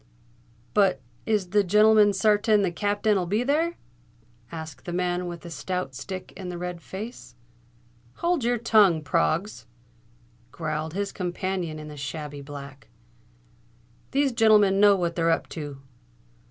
"But is the gen'leman sartain the Cap'ain'll be there?" asked the man with the stout stick and the red face. "Hold your tongue, Proggs!" growled his companion in the shabby black. "These gen'lemen know what they're up to."